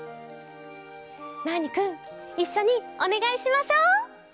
ナーニくんいっしょにおねがいしましょう。